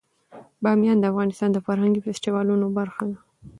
بامیان د افغانستان د فرهنګي فستیوالونو برخه ده.